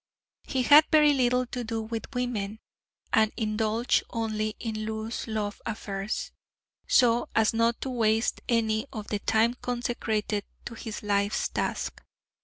He had very little to do with women, and indulged only in loose love affairs{H} so as not to waste any of the time consecrated to his life's task.